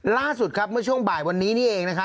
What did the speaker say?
ล่าสุดครับเมื่อช่วงบ่ายวันนี้นี่เอง